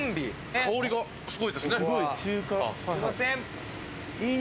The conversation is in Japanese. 香りがすごいですね。